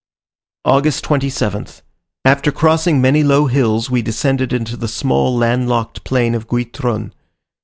August 27th. After crossing many low hills we descended into the small land locked plain of Guitron.